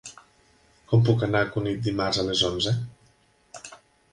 Com puc anar a Cunit dimarts a les onze?